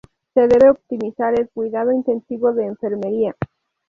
Se debe optimizar el cuidado intensivo de enfermería.